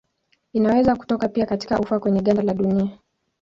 Inaweza kutoka pia katika ufa kwenye ganda la dunia.